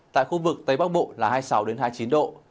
tại khu vực tây bắc bộ là hai mươi sáu hai mươi chín độ